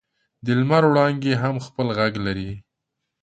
د لمر وړانګې هم خپل ږغ لري.